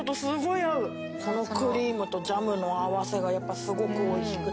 このクリームとジャムの合わせがすごくおいしくて。